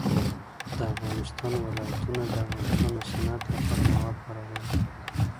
د افغانستان ولايتونه د افغانستان د صنعت لپاره مواد برابروي.